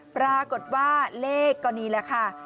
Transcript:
ปรากฏว่าเลขก็นี่แหละค่ะ